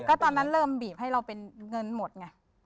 ก็ตอนนั้นเริ่มบีบให้เราเป็นเงินหมดไง